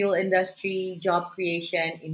dari industri perang fosil